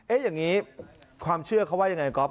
อย่างนี้ความเชื่อเขาว่ายังไงก๊อฟ